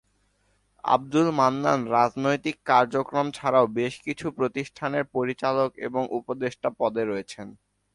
আব্দুল মান্নান রাজনৈতিক কার্যক্রম ছাড়াও তিনি বেশ কিছু প্রতিষ্ঠানের পরিচালক ও উপদেষ্টা পদে রয়েছেন।